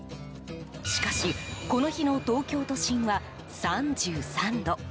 しかし、この日の東京都心は３３度。